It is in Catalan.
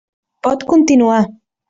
Pot continuar.